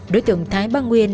đối tượng thái bang nguyên